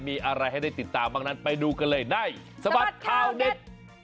มีอะไรให้ได้ติดตามไปดูกันเลยในสบัดข้าวเน็ต